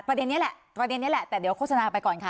นี้แหละประเด็นนี้แหละแต่เดี๋ยวโฆษณาไปก่อนค่ะ